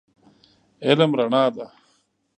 علم رڼا ده.